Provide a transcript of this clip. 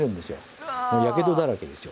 もうやけどだらけですよ。